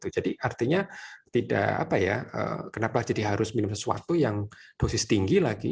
jadi artinya tidak kenapa jadi harus minum sesuatu yang dosis tinggi lagi